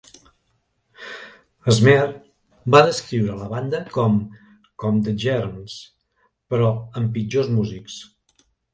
Smear va descriure la banda com "com The Germs, però amb pitjors músics".